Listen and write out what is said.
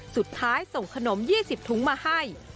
สุดท้ายส่งขนม๒๐ถุงมาให้